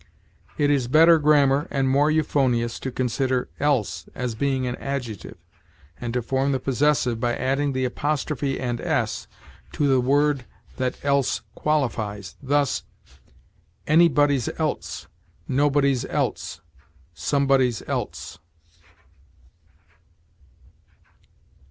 It is better grammar and more euphonious to consider else as being an adjective, and to form the possessive by adding the apostrophe and s to the word that else qualifies; thus, anybody's else, nobody's else, somebody's else.